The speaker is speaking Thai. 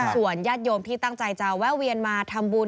ส่วนญาติโยมที่ตั้งใจจะแวะเวียนมาทำบุญ